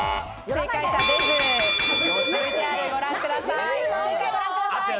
正解、ご覧ください。